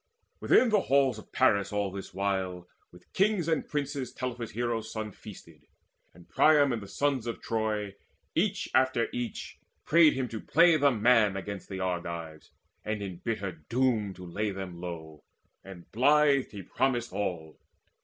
Within the halls of Paris all this while With kings and princes Telephus' hero son Feasted; and Priam and the sons of Troy Each after each prayed him to play the man Against the Argives, and in bitter doom To lay them low; and blithe he promised all.